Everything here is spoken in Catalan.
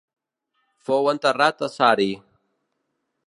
Fou enterrat a Sari.